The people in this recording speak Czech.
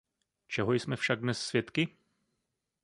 Čeho jsme však dnes svědky?